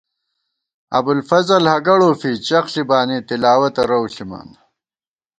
ابُوالفضل ہگَڑ اوفی چغ ݪی بانی تلاوَتہ رَؤ ݪِمان